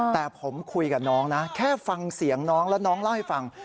แต่ผมคุยกับน้องนะแค่ฟังเสียงน้องแล้วน้องเล่าให้ฟัง